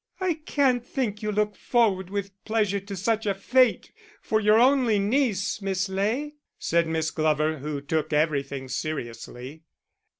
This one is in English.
"I can't think you look forward with pleasure to such a fate for your only niece, Miss Ley," said Miss Glover, who took everything seriously.